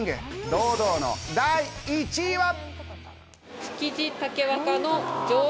堂々の第１位は。